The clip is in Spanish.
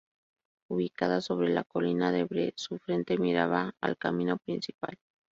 Ubicada sobre la colina de Bree su frente miraba al camino principal.